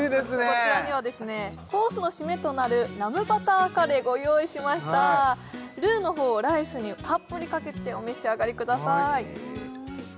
こちらにはですねコースの〆となるラムバターカレーご用意しましたルーの方をライスにたっぷりかけてお召し上がりください